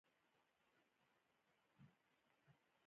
شګه کارېدلې ده.